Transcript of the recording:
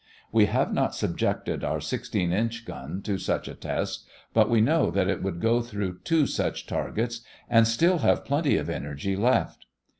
We have not subjected our 16 inch gun to such a test, but we know that it would go through two such targets and still have plenty of energy left.